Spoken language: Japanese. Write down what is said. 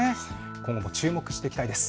今後も注目していきたいです。